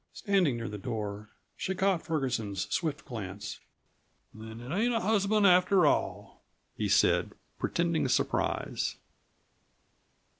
Standing near the door she caught Ferguson's swift glance. "Then it ain't a husband after all," he said, pretending surprise.